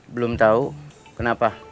belum tau kenapa